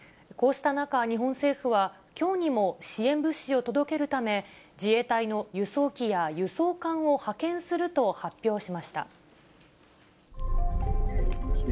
こうした中、日本政府はきょうにも支援物資を届けるため、自衛隊の輸送機や輸送艦を派遣すると発表しました。